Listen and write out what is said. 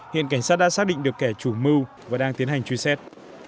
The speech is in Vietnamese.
hiện cảnh sát đã xác định được kẻ chủ mưu và đang tiến hành truy xét